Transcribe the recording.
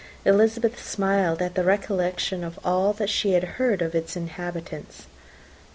Elizabeth smiled at the recollection of all that she had heard of its inhabitants.